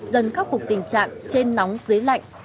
dần khắc phục tình trạng trên nóng dưới lạnh